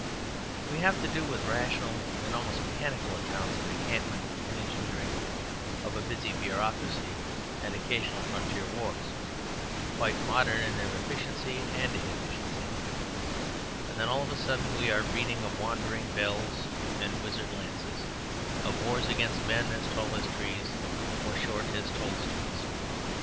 We have to do with rational and almost mechanical accounts of encampment and engineering, of a busy bureaucracy and occasional frontier wars, quite modern in their efficiency and inefficiency; and then all of a sudden we are reading of wandering bells and wizard lances, of wars against men as tall as trees or as short as toadstools.